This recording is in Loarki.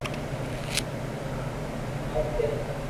ايني ھڻوا دي